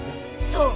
そう。